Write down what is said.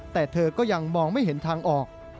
แต่เธอก็ยังมองไม่เห็นทางออก